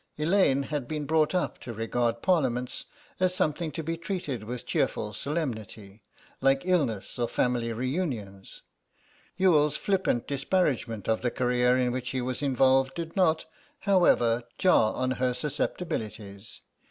Elaine had been brought up to regard Parliaments as something to be treated with cheerful solemnity, like illness or family re unions. Youghal's flippant disparagement of the career in which he was involved did not, however, jar on her susceptibilities.